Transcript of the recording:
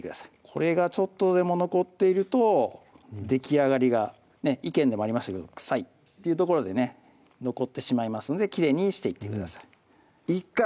これがちょっとでも残っているとできあがりが意見でもありました臭いっていうところでね残ってしまいますのできれいにしていってくださいいっか！